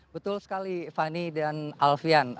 betul sekali fani dan alfian